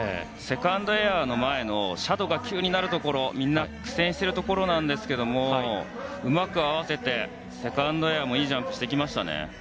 セカンドエアの前の斜度が急になるところみんな苦戦しているところですがうまく合わせて、セカンドエアもいいジャンプでした。